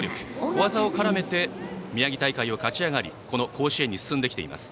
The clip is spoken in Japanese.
小技を絡めて宮城大会を勝ち上がりこの甲子園に進んできています。